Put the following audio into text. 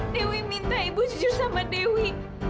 dewi minta ibu jujur sama dewi